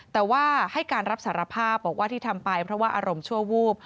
แต่ว่าให้การรับสารภาพบอกว่าที่ทำไปเพราะว่าอารมณ์ชั่ววูบ